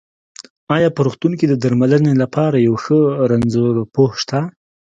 ايا په روغتون کې د درمنلې لپاره يو ښۀ رنځپوۀ شته؟